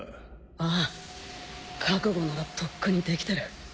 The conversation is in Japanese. あぁ覚悟ならとっくにできてる。